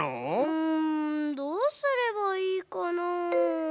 うんどうすればいいかな。